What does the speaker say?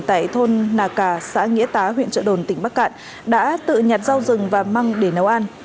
tại thôn nà cà xã nghĩa tá huyện trợ đồn tỉnh bắc cạn đã tự nhặt rau rừng và măng để nấu ăn